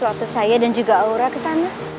waktu saya dan juga aura kesana